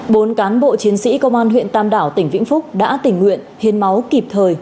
bốn cán bộ chiến sĩ công an huyện tam đảo tỉnh vĩnh phúc đã tình nguyện hiến máu kịp thời